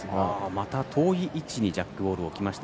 また遠い位置にジャックボールを置きました。